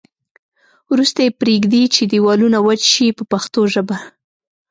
وروسته یې پرېږدي چې دېوالونه وچ شي په پښتو ژبه.